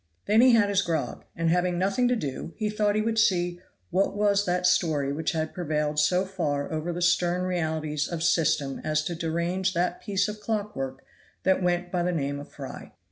Then he had his grog, and having nothing to do he thought he would see what was that story which had prevailed so far over the stern realities of system as to derange that piece of clock work that went by the name of Fry.